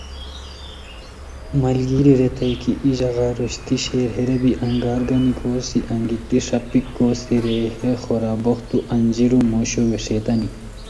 ملگیری ریتائے کی ای ژاغا روشتی شیر، ہیرا بی انگار گانی گوسی، انگیتی ݰاپیک کوسی رے ہے خورا بوختو انجیرو موشو ویݰیتانی